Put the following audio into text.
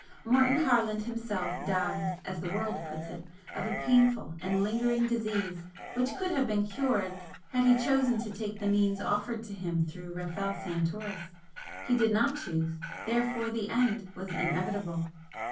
Morton Harland himself 'died,' as the world puts it, of a painful and lingering disease which could have been cured had he chosen to take the means offered to him through Rafel Santoris. He did not choose, therefore the end was inevitable.